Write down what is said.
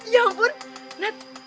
ya ampun nat